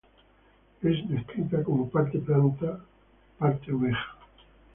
Es descrita como parte planta, parte oveja.